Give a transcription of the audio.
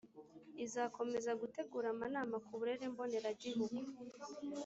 izakomeza gutegura amanama ku burere mboneragihugu